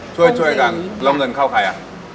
ช่วยกันแล้วเงินเข้าใครอะ